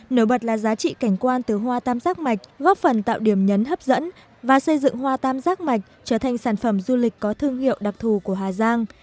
nổi bật là giá trị cảnh quan từ hoa tam giác mạch góp phần tạo điểm nhấn hấp dẫn và xây dựng hoa tam giác mạch trở thành sản phẩm du lịch có thương hiệu đặc thù của hà giang